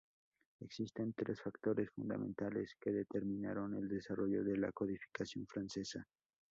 Existieron tres factores fundamentales que determinaron el desarrollo de la codificación francesa.